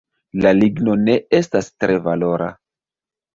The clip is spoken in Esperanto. La ligno ne estas tre valora.